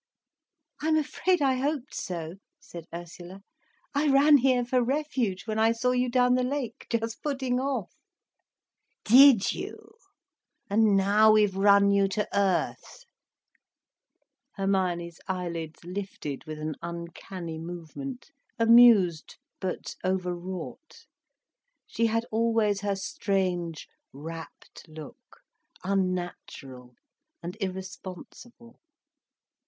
"I'm afraid I hoped so," said Ursula. "I ran here for refuge, when I saw you down the lake, just putting off." "Did you! And now we've run you to earth." Hermione's eyelids lifted with an uncanny movement, amused but overwrought. She had always her strange, rapt look, unnatural and irresponsible.